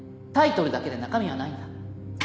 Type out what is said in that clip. タイトルだけで中身はないんだ。